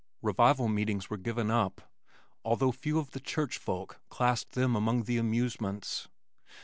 Revival meetings were given up, although few of the church folk classed them among the amusements.